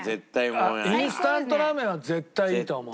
インスタントラーメンは絶対いいと思う。